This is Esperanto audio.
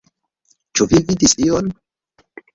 Ĉu vi vidis ion?